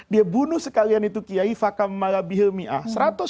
dia bunuh sekalian itu kiai fakam malabihilmi'ah seratus